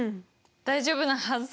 大丈夫なはず。